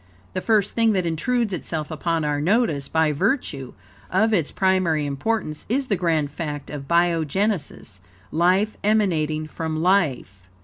The first thing that intrudes itself upon our notice, by virtue of its primary importance, is the grand fact of biogenesis life emanating from life.